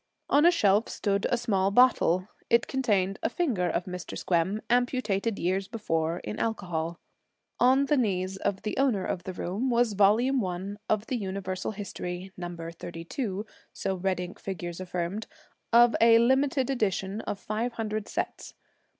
On a shelf stood a small bottle. It contained a finger of Mr. Squem, amputated years before, in alcohol. On the knees of the owner of the room was Volume One of the Universal History Number 32, so red ink figures affirmed, of a limited edition of five hundred sets.